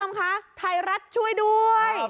คุณผู้ชมคะไทยรัฐช่วยด้วย